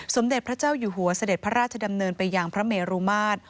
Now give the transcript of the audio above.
สมเด็จพระเจ้าอยู่หัวเสด็จพระราชดำเนินไปยังพระเมรุมาตร